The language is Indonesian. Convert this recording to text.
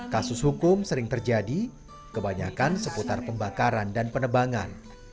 kasus hukum sering terjadi kebanyakan seputar pembakaran dan penebangan